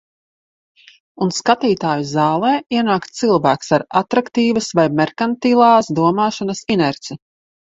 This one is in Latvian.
Un skatītāju zālē ienāk cilvēks ar atraktīvas vai merkantilās domāšanas inerci.